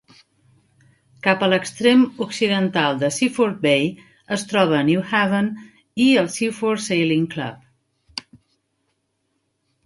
Cap a l'extrem occidental de Seaford Bay es troba Newhaven i el Seaford Sailing Club.